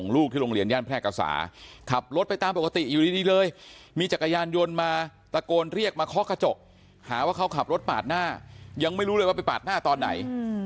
แล้วเค้าอยู่ด้วยว่าไปปาดหน้าตอนไหน